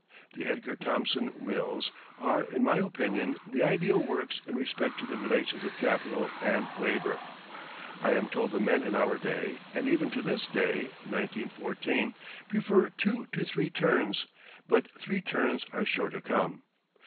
The Edgar Thomson Mills are, in my opinion, the ideal works in respect to the relations of capital and labor. I am told the men in our day, and even to this day (1914) prefer two to three turns, but three turns are sure to come.